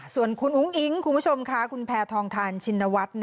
ส่วนคุณอุ้งอิ๊งคุณผู้ชมค่ะคุณแพทองทานชินวัฒน์